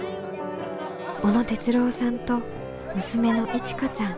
小野哲郎さんと娘のいちかちゃん。